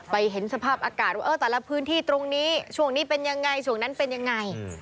เห็นสภาพอากาศว่าแต่ละพื้นที่ตรงนี้ช่วงนี้เป็นยังไงช่วงนั้นเป็นยังไง